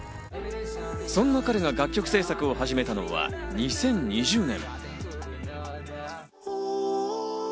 そんな彼が楽曲制作を始めたのは２０２０年。